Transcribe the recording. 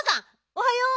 おはよう。